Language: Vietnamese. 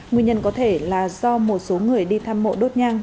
nguyên nhân có thể là do một số người đi thăm mộ đốt nhang